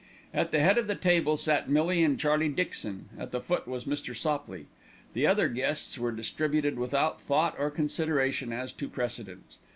At the head of the table sat Millie and Charlie Dixon, at the foot was Mr. Sopley. The other guests were distributed without thought or consideration as to precedence.